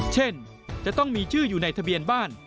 เช่นจะต้องมีชื่ออยู่ในทะเบียนบ้าน